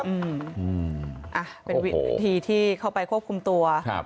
อ้าเป็นวิธีที่เข้าไปควบคุมตัว